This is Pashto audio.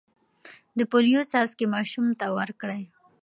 د پولیو څاڅکي ماشوم ته ورکړئ.